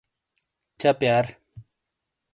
چہ پِییار۔